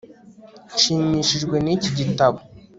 Nshimishijwe niki gitabo